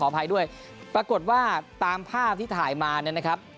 อภัยด้วยปรากฏว่าตามภาพที่ถ่ายมาเนี่ยนะครับ